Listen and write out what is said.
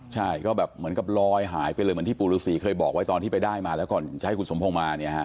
ใช่ก็แบบเหมือนกับลอยหายไปเลยเหมือนที่ปู่ฤษีเคยบอกไว้ตอนที่ไปได้มาแล้วก่อนจะให้คุณสมพงศ์มาเนี่ยฮะ